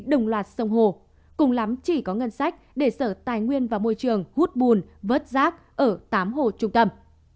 đồng loạt sông hồ cùng lắm chỉ có ngân sách để sở tài nguyên và môi trường hút bùn vớt rác ở tám hồ trung tâm